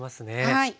はい。